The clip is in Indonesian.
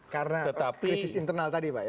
karena krisis internal tadi pak ya